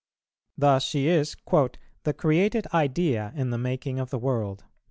Thus she is "the created Idea in the making of the world," p.